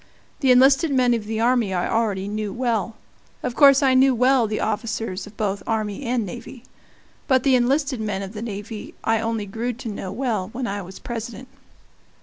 The enlisted men of the army I already knew well of course I knew well the officers of both army and navy. But the enlisted men of the navy I only grew to know well when I was President.